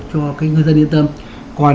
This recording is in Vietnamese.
cho cái ngư dân yên tâm còn